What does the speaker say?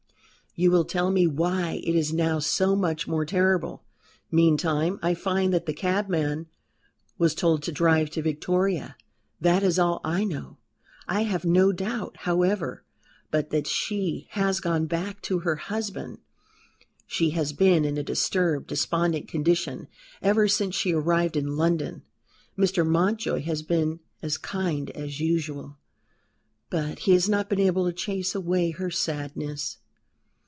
"You will tell me why it is now so much more terrible. Meantime, I find that the cabman was told to drive to Victoria. That is all I know. I have no doubt, however, but that she has gone back to her husband. She has been in a disturbed, despondent condition ever since she arrived in London. Mr. Mountjoy has been as kind as usual: but he has not been able to chase away her sadness.